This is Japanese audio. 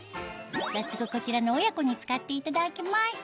早速こちらの親子に使っていただきました